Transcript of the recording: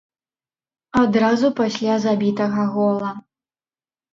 Адразу пасля забітага гола.